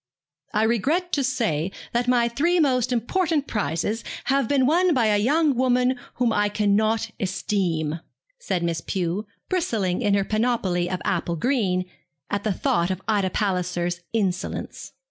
'I regret to say that my three most important prizes have been won by a young woman whom I cannot esteem,' said Miss Pew, bristling in her panoply of apple green, at the thought of Ida Palliser's insolence.